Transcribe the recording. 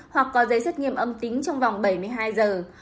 hoặc có giấy xét nghiệm âm tính trong vòng bảy mươi hai giờ